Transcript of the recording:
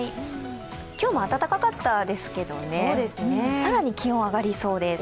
今日も暖かかったですけれども、更に気温が上がりそうです。